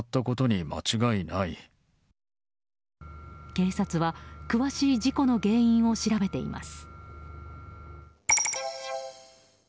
警察は詳しい事故の原因を調べています。